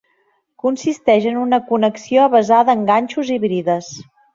Consisteix en una connexió basada en ganxos i brides.